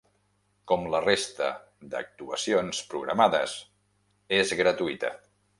Com la resta d’actuacions programades, és gratuïta.